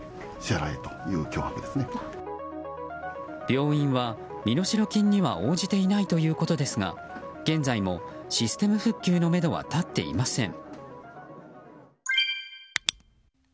病院は身代金には応じていないということですが現在もシステム復旧のめどは立っていません。